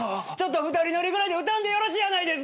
２人乗りぐらいで撃たんでよろしいやないですか！